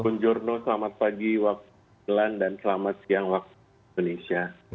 bung jorno selamat pagi waktu milan dan selamat siang waktu indonesia